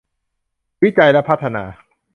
วิจัยและพัฒนา